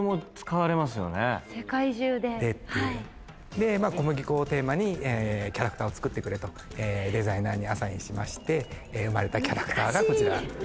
で小麦粉をテーマにキャラクターを作ってくれとデザイナーにアサインしまして生まれたキャラクターがこちらになります。